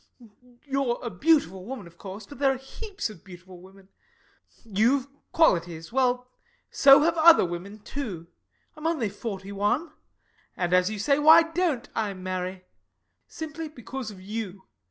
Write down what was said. You're a beautiful woman, of course; but there are heaps of beautiful women. You've qualities well, so have other women, too. I'm only forty one and, as you say, why don't I marry? Simply because of you.